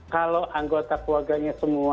kalau anggota keluarganya semua